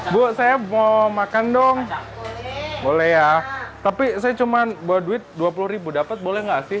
bu saya mau makan dong boleh ya tapi saya cuma bawa duit dua puluh ribu dapat boleh nggak sih